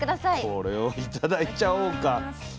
これを頂いちゃおうか。